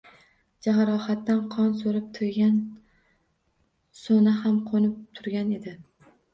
Jarohatda qon so‘rib to‘ygan so‘na ham qo‘nib turgan edi